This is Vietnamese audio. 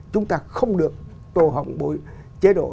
chúng ta không được tồ hộng bồi chế độ